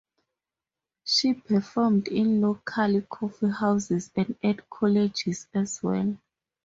She performed in local coffeehouses and at colleges as well.